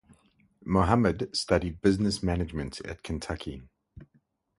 Mohammed studied Business Management at Kentucky.